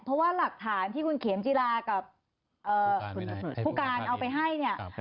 เพราะว่าหลักฐานที่คุณเข็มจิลากับผู้การเอาไปให้เนี่ย